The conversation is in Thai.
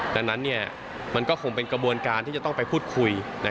ดังนั้นมันก็คงเป็นกระบวนการที่จะต้องไปพูดคุย